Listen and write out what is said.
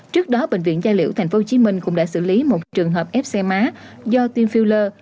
trước đó bệnh viện gia liễu tp hcm cũng đã xử lý một trường hợp ép xe má do tiêm filler